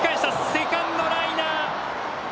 セカンドライナー。